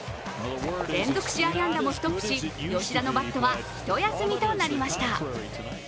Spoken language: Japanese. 連続試合安打もストップし、吉田のバットは一休みとなりました。